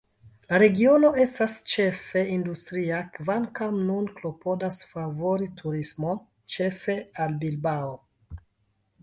La regiono estas ĉefe industria, kvankam nun klopodas favori turismon, ĉefe al Bilbao.